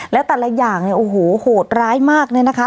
และแต่ละอย่างโหดร้ายมากเลยนะครับ